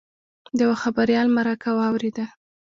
د یوه خبریال مرکه واورېده.